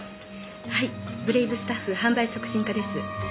はいブレイブスタッフ販売促進課です。